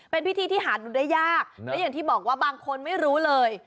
เป็นพิธีที่หาดูได้ยากและอย่างที่บอกว่าบางคนไม่รู้เลย